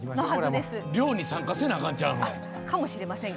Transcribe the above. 漁に参加せなあかんのちゃうん？